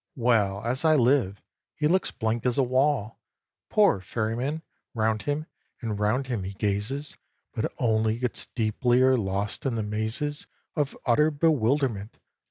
Well! as I live!" He looks blank as a wall, Poor Ferryman! Round him, and round him he gazes, But only gets deeplier lost in the mazes Of utter bewilderment!